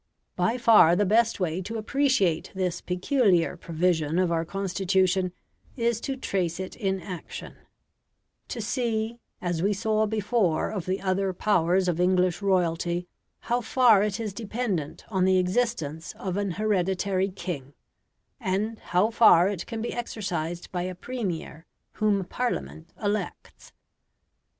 By far the best way to appreciate this peculiar provision of our Constitution is to trace it in action to see, as we saw before of the other powers of English royalty, how far it is dependent on the existence of an hereditary king, and how far it can be exercised by a Premier whom Parliament elects.